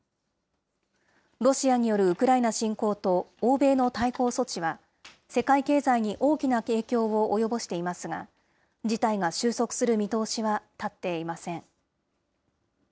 ロシアによるウクライナ侵攻と、欧米の対抗措置は、世界経済に大きな影響を及ぼしていますが、事態が収束する見通しは立っていません。